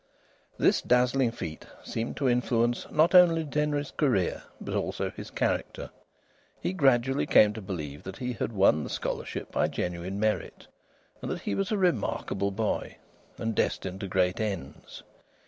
This dazzling feat seemed to influence not only Denry's career but also his character. He gradually came to believe that he had won the scholarship by genuine merit, and that he was a remarkable boy and destined to great ends.